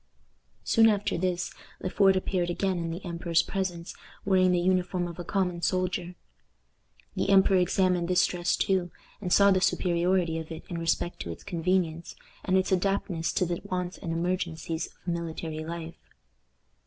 Soon after this Le Fort appeared again in the emperor's presence wearing the uniform of a common soldier. The emperor examined this dress too, and saw the superiority of it in respect to its convenience, and its adaptedness to the wants and emergencies of military life.